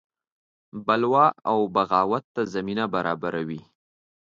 بلوا او بغاوت ته زمینه برابروي.